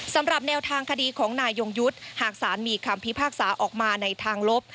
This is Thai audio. สำหรับแนวทางคดีของนายยงยุทธ์หากศาลมีคำพิพากษาออกมาในทางลบ